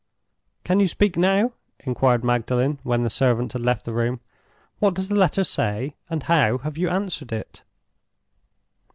"Can you speak now?" inquired Magdalen, when the servant had left the room. "What does that letter say, and how have you answered it?"